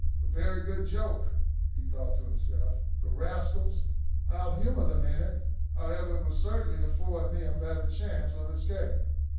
"A very good joke," he thought to himself; "the rascals! I'll humour them in it, however; it will certainly afford me a better chance of escape."